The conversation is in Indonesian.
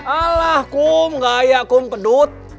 alah kum gak ayah kum kedut